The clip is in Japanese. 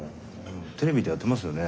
テレビでやってますよね。